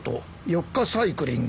「４日サイクリング」